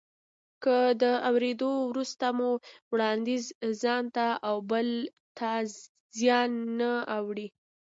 که د اورېدو وروسته مو وړانديز ځانته او بل ته زیان نه اړوي.